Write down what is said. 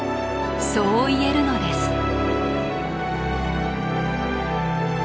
そう言えるのです。